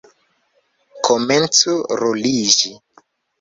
Komencu ruliĝi!